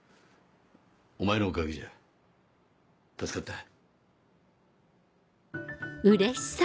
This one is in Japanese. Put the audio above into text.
お前のおかげじゃ助かった。